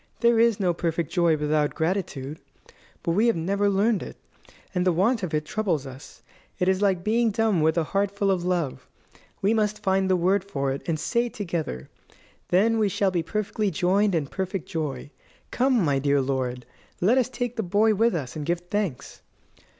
There is no perfect joy without gratitude. But we have never learned it, and the want of it troubles us. It is like being dumb with a heart full of love. We must find the word for it, and say it together. Then we shall be perfectly joined in perfect joy. Come, my dear lord, let us take the boy with us, and give thanks."